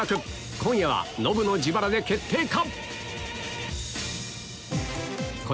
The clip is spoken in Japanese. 今夜はノブの自腹で決定か⁉